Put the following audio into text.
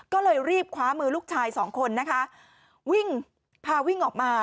ก็เลยรีบคว้ามือลูกชายสองคนนะคะวิ่งพาวิ่งออกมา